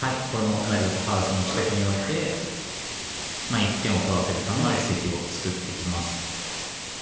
これもなるべくハウスの近くに置いて１点を取らせるための布石を作っていきます。